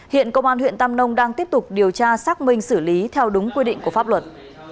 hiện công an huyện tam nông đang tiếp tục điều tra xác minh xử lý theo đúng quy định của pháp luật